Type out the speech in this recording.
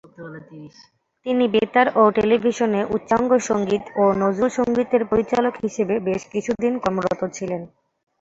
তিনি বেতার ও টেলিভিশনে উচ্চাঙ্গ সঙ্গীত ও নজরুল সঙ্গীতের পরিচালক হিসেবে বেশ কিছুদিন কর্মরত ছিলেন।